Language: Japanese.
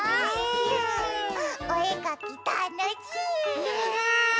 おえかきたのしい！ね！ね！